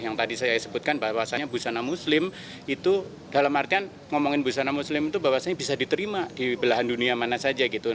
yang tadi saya sebutkan bahwasannya busana muslim itu dalam artian ngomongin busana muslim itu bahwasannya bisa diterima di belahan dunia mana saja gitu